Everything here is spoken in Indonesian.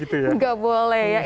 tidak boleh ya